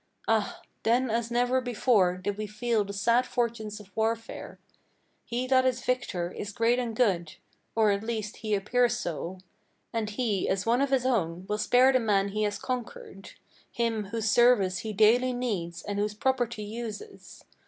Ah! then as never before did we feel the sad fortunes of warfare: He that is victor is great and good, or at least he appears SO, And he, as one of his own, will spare the man he has conquered, Him whose service he daily needs, and whose property uses.